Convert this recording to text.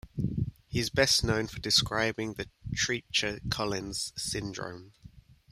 He is best known for describing the Treacher Collins syndrome.